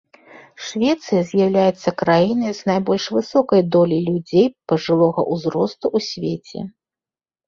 Швецыя з'яўляецца краінай з найбольш высокай доляй людзей пажылога ўзросту ў свеце.